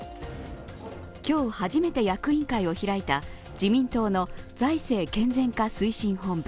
今日初めて役員会を開いた自民党の財政健全化推進本部。